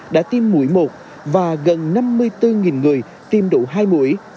đã tiêm mũi một và gần năm mươi bốn người tiêm đủ hai mũi